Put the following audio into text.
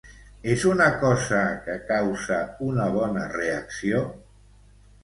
És una cosa que causa una bona reacció?